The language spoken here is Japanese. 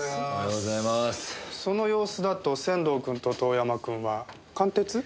その様子だと仙堂君と遠山君は完徹？